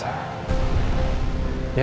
ya tapi bagusnya